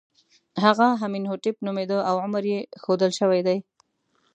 هغه امین هوټېپ نومېده او عمر یې ښودل شوی دی.